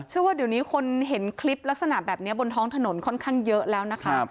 ว่าเดี๋ยวนี้คนเห็นคลิปลักษณะแบบนี้บนท้องถนนค่อนข้างเยอะแล้วนะคะ